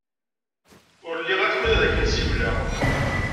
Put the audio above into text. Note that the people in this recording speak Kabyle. Ur liɣ akud ad ak-nn-siwleɣ.